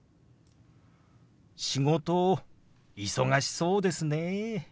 「仕事忙しそうですね」。